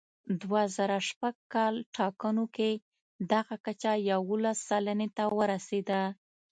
دوه زره شپږ کال ټاکنو کې دغه کچه یوولس سلنې ته ورسېده.